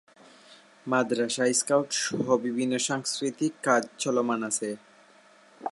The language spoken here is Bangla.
মাদরাসায় স্কাউট সহ বিভিন্ন সাংস্কৃতিক কাজ চলমান আছে।